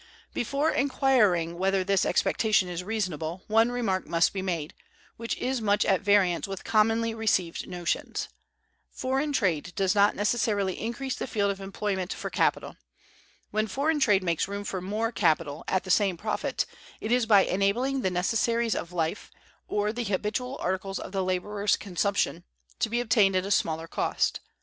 Before inquiring whether this expectation is reasonable, one remark must be made, which is much at variance with commonly received notions. Foreign trade does not necessarily increase the field of employment for capital. When foreign trade makes room for more capital at the same profit, it is by enabling the necessaries of life, or the habitual articles of the laborer's consumption, to be obtained at smaller cost.